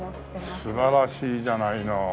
素晴らしいじゃないの。